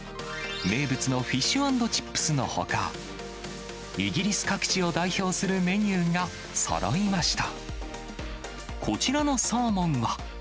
名物のフィッシュ＆チップスのほか、イギリス各地を代表するメニューがそろいました。